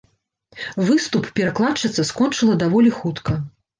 Выступ перакладчыца скончыла даволі хутка.